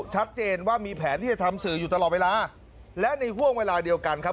ชัดเจนว่ามีแผนที่จะทำสื่ออยู่ตลอดเวลาและในห่วงเวลาเดียวกันครับ